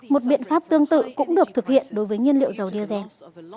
một biện pháp tương tự cũng được thực hiện đối với nhiên liệu dầu diesel